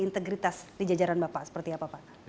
integritas di jajaran bapak seperti apa pak